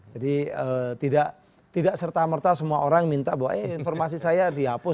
jadi tidak serta merta semua orang minta bahwa eh informasi saya dihapus